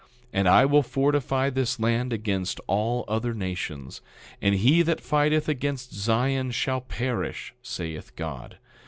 10:12 And I will fortify this land against all other nations. 10:13 And he that fighteth against Zion shall perish, saith God.